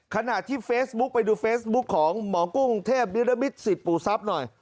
ขณะที่เฟซบุ๊กไปดูเฟซบุ๊คของหมอกุ้งเทพนิรมิตรสิทธิปู่ทรัพย์หน่อย